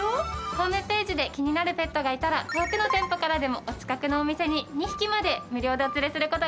ホームページで気になるペットがいたら遠くの店舗からでもお近くのお店に２匹まで無料でお連れする事ができます。